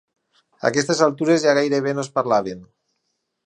A aquestes altures ja gairebé no es parlaven.